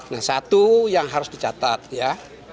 nah satu yang harus dicatat ya